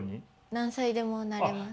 何歳でもなれます。